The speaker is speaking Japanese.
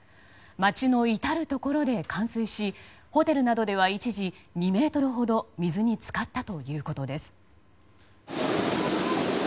街の至るところで冠水しホテルなどでは一時２ｍほど水に浸かったということです。